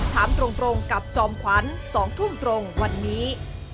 ถามตรงกับจอมขวัญ๒ทุ่มตรงวันนี้